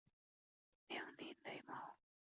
亮鳞肋毛蕨为叉蕨科肋毛蕨属下的一个种。